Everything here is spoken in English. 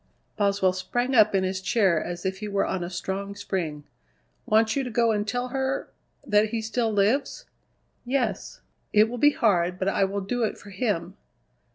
Boswell sprang up in his chair as if he were on a strong spring. "Wants you to go and tell her that he still lives?" "Yes. It will be hard, but I will do it for him."